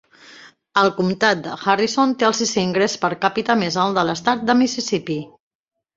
El comtat de Harrison té el sisè ingrés per càpita més alt de l'Estat de Mississippi.